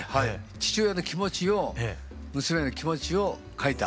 父親の気持ちを娘への気持ちを書いた。